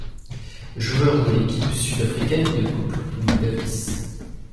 Joueur de l'équipe sud-africaine de Coupe Davis.